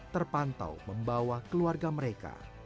terpantau membawa keluarga mereka